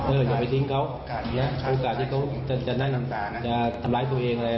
เอออย่าไปทิ้งเขาโอกาสที่เขาจะจะนั่นจะทำร้ายตัวเองเลย